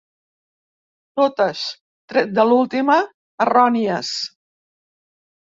Totes, tret de l'última, errònies.